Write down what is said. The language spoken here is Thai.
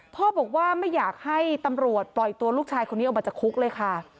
พ่อบอกว่าไม่อยากให้ตำรวจปล่อยตัวลูกชายคนนี้ออกมาจากคุกเลยค่ะ